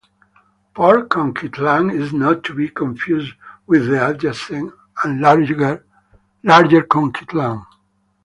Port Coquitlam is not to be confused with the adjacent and larger Coquitlam.